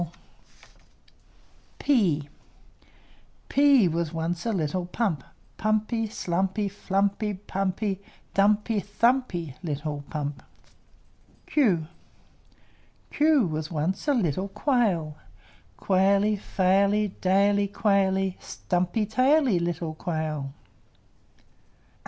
P p P was once a little pump, Pumpy, Slumpy, Flumpy, Pumpy, Dumpy, thumpy, Little pump! Q q Q was once a little quail, Quaily, Faily, Daily, Quaily, Stumpy taily, Little quail!